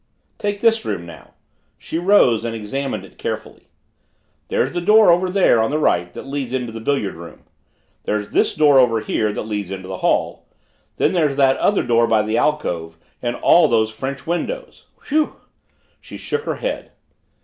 "Take this room now." She rose and examined it carefully. "There's the door over there on the right that leads into the billiard room. There's this door over here that leads into the hall. Then there's that other door by the alcove, and all those French windows whew!" She shook her head.